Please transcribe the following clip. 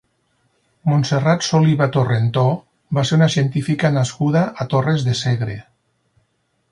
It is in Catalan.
Montserrat Soliva Torrentó va ser una científica nascuda a Torres de Segre.